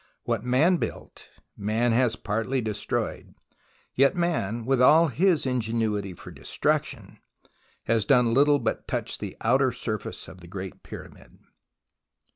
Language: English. What man built, man has partly destroyed ; yet man, with all his ingenuity for destruction, has done little but touch the outer surface of the Great Pyramid.